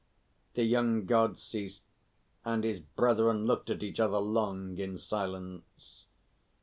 The young God ceased, and his brethren looked at each other long in silence.